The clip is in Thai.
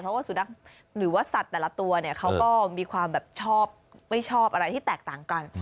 เพราะว่าสัตว์แต่ละตัวเนี่ยเขาก็มีความชอบไม่ชอบอะไรที่แตกต่างกัน